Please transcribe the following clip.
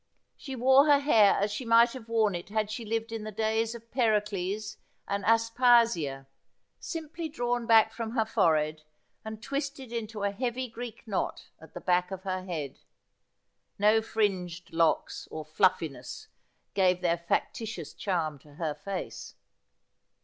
She wore her hair as she might have worn it had she lived in the days of Pericles and Aspasia — simply drawn back from her forehead, and twisted in a heavy Greek knot at the back of her head ; no fringed leeks or fluffiness gave their factitious charm to her face.